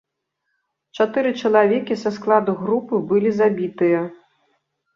Чатыры чалавекі са складу групы былі забітыя.